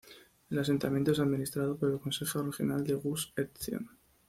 El asentamiento es administrado por el Consejo Regional de Gush Etzion.